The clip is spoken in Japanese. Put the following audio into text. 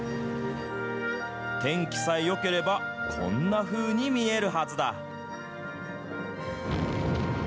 天気さえよければ、こんなふうに見えるはずだ。